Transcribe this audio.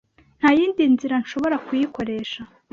Ntayindi nzira nshobora kuyikoresha